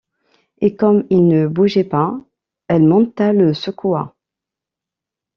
Et, comme il ne bougeait pas, elle monta, le secoua.